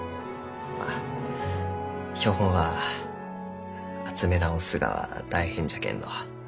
まあ標本は集め直すがは大変じゃけんど。